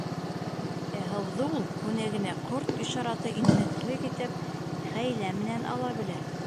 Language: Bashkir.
Ә һыуҙы ул күнәгенә ҡорт ишараты инмәҫлек итеп, хәйлә менән ала белә.